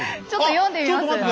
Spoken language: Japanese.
ちょっと読んでみます。